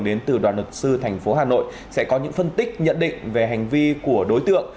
đến từ đoàn luật sư thành phố hà nội sẽ có những phân tích nhận định về hành vi của đối tượng